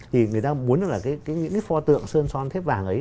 thì người ta muốn là những cái pho tượng sơn son thép vàng ấy